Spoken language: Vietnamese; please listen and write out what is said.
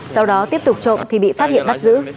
sau đó tiếp tục trộm thì bị phát hiện bắt giữ